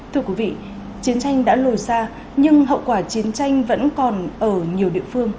thưa quý vị chiến tranh đã lùi xa nhưng hậu quả chiến tranh vẫn còn ở nhiều địa phương